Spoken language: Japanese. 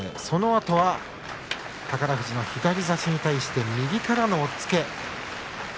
そのあとは宝富士の左差しに対して右からの押っつけ。